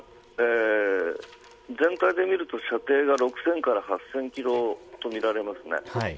全体でみると射程が６０００から８０００キロとみられますね。